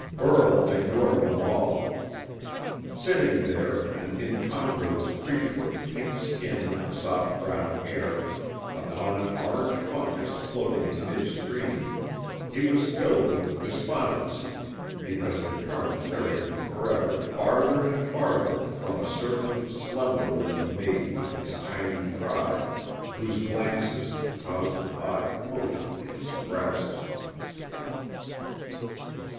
Burl ignored them all. Sitting there, an incongruous creature of pink skin and soft brown hair upon an orange fungus floating in midstream, he was filled with despondency because the current carried him forever farther and farther from a certain slender limbed maiden of his tiny tribe, whose glances caused an odd commotion in his breast.